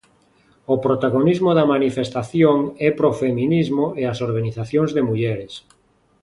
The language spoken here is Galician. O protagonismo da manifestación é para o feminismo e as organizacións de mulleres.